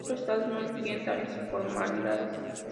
Otros estados no requieren tales formalidades.